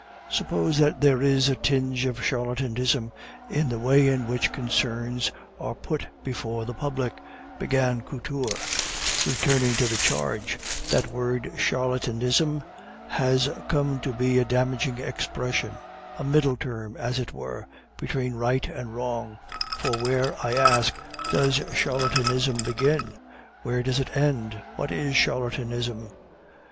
"Suppose that there is a tinge of charlatanism in the way in which concerns are put before the public," began Couture, returning to the charge, "that word charlatanism has come to be a damaging expression, a middle term, as it were, between right and wrong; for where, I ask you, does charlatanism begin? where does it end? what is charlatanism?